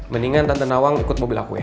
mendingan tante nawang ikut mau berlaku ya